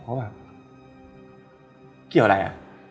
เพราะแบบเกี่ยวอะไรอ่ะ